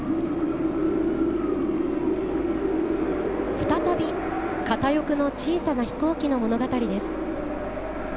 再び片翼の小さな飛行機の物語です。